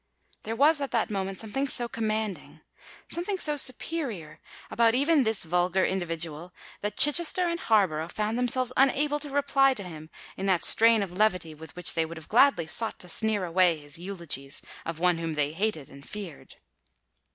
There was at that moment something so commanding—something so superior about even this vulgar individual, that Chichester and Harborough found themselves unable to reply to him in that strain of levity with which they would have gladly sought to sneer away his eulogies of one whom they hated and feared.